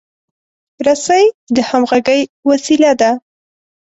رسۍ د همغږۍ وسیله ده.